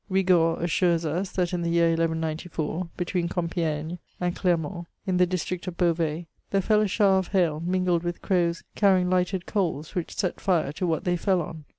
Bigord assures us, that in the year 1 194, between Compi^gne and Clermont, in the district of Beauvais, fheire fell a shower of hail mingled with crows carrying lighted coals which set fire to what they fell on.